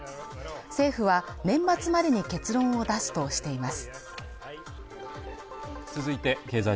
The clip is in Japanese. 政府は年末までに結論を出すとしています。